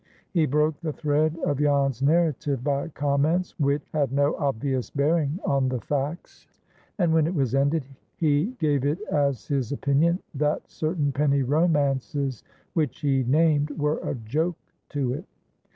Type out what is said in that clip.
He broke the thread of Jan's narrative by comments which had no obvious bearing on the facts, and, when it was ended, be gave it as his opinion that certain penny romances which he named were a joke to it.